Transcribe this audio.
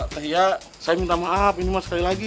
teh ya saya minta maaf ini cuma sekali lagi ya